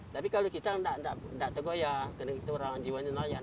tapi kalau kita tidak tergoyah karena kita orang jiwa yang layan